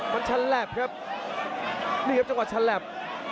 มันชะแหลบครับนี่ครับจังหวัดชะแหลบ